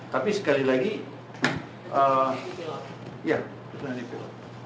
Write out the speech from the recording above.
tapi sekali lagi ya itu yang dipiliki